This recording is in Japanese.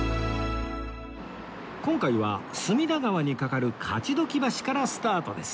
今回は隅田川に架かる勝鬨橋からスタートです